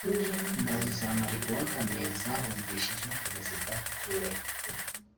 Ingabo za Mali kuwa kane zahungishije Perezida Touré